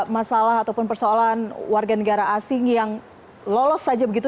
masalah ataupun persoalan warga negara asing yang lolos saja begitu